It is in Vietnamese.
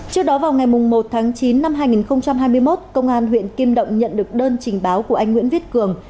trước đó vào ngày một tháng chín năm hai nghìn hai mươi một công an huyện kim động nhận được đơn trình báo của anh nguyễn viết cường